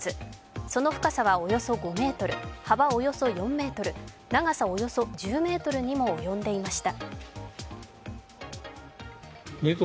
その深さはおよそ５ｍ、幅およそ４ｍ、長さおよそ１０ｍにも及んでいました。